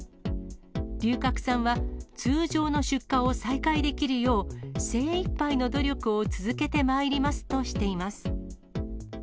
龍角散は、通常の出荷を再開できるよう、精いっぱいの努力を続けてまいりますとしています。